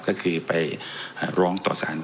ก็คือไปร้องต่อสาร